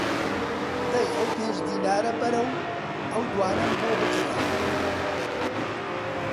دەی ئەو پێنج دینارە بەرە و ئەو دوانەم بۆ بکڕە!